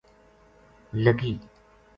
لگی